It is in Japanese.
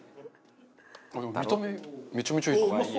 でも見た目めちゃめちゃいいですね。